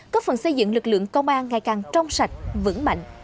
có phần xây dựng lực lượng công an ngày càng trong sạch vững mạnh